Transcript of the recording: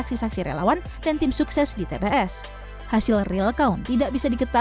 hasil menggunakan data dari kpu juga menggunakan input data